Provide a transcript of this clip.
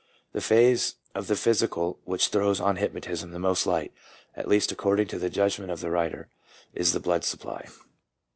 The phase of the physical which throws on hypnotism the most light — at least according to the judgment of the writer — is the blood supply.